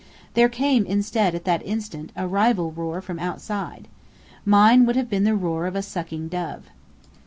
There came instead, at that instant, a rival roar from outside. Mine would have been the roar of a sucking dove.